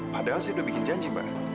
padahal saya sudah bikin janji mbak